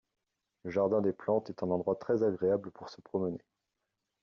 Le jardin des plantes est un endroit très agréable pour se promener.